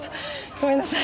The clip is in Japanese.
ごめんなさい。